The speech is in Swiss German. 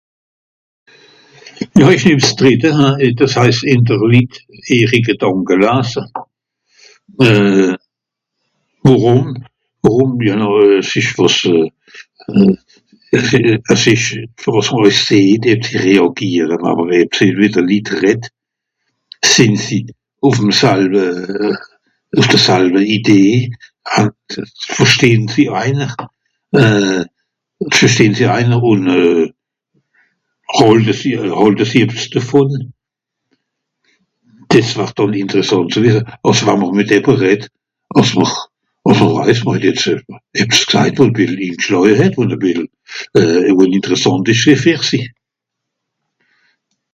(...) ùn dìs heist ìn de Litt ìhri Gedànke lase. Euh... worùm ? worùm ? s'ìsch wàs euh... sìn... es ìsch fer àss mr sìeht eb die reàgiere wa'mr reddt sehn wie de Litt redd, sìnn sie ùff'm salwe... ùff de salwe Idee, hat, versehn sie einer euh... versehn sie einer ùn hàlte sie... hàlte sie ebbs devùn. Dìs wèr dànn ìnteressànt ze (...), àss wa'mr mìt äbber reddt, àss mr, àss mr weist mr het jetz ebbs gsajt ùn ingschàje het wo-n-e bìssel... wo ìnterssànt ìsch gsìì fer sie.